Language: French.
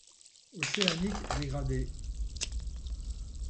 Océanique dégradé.